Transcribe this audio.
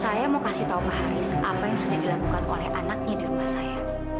saya mau kasih tahu mbak haris apa yang sudah dilakukan oleh anaknya di rumah saya